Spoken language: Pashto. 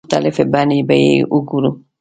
مختلفې بڼې به یې وګورو.